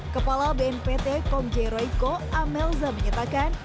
kepala bnpt kom jeroiko amelza menyatakan